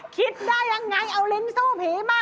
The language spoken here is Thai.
คิดได้ยังไงเอาลิ้นสู้ผีมา